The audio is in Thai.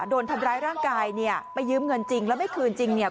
โดนทำร้ายร่างกายเนี่ยไปยืมเงินจริงแล้วไม่คืนจริงเนี่ย